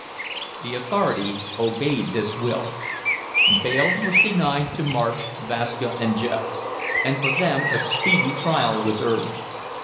The authorities obeyed this will. Bail was denied to Marsh, Vasca and Joe, and for them a speedy trial was urged.